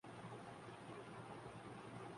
اورجو حکمران طبقہ ہے۔